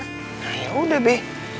nah yaudah be